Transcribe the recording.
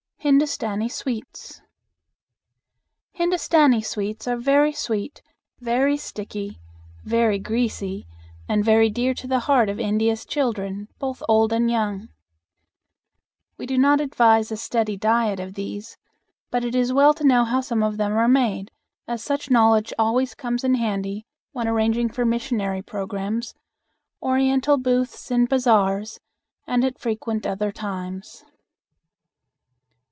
Hindustani Sweets. Hindustani sweets are very sweet, very sticky, very greasy, and very dear to the heart of India's children, both old and young. We do not advise a steady diet of these, but it is well to know how some of them are made, as such knowledge always comes in handy when arranging for missionary programs, Oriental booths in bazaars, and at frequent other times.